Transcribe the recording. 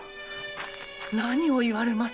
何を言われます。